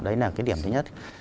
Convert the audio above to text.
đấy là cái điểm thứ nhất